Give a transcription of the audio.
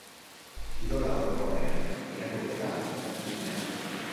Kirola orokorean, irakurketa eta zinea.